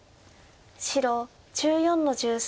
白１４の十三。